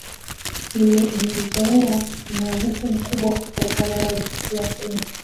kimejizolea umaarufu mkubwa kutokana na historia kubwa